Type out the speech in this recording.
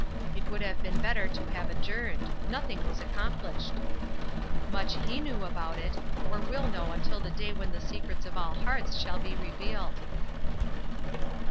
It would have been better to have adjourned. Nothing was accomplished." Much he knew about it, or will know until the day when the secrets of all hearts shall be revealed!